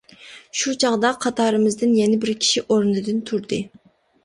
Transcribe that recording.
شۇ چاغدا قاتارىمىزدىن يەنە بىر كىشى ئورنىدىن تۇردى.